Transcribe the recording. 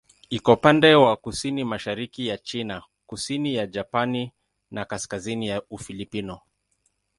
Iko upande wa kusini-mashariki ya China, kusini ya Japani na kaskazini ya Ufilipino.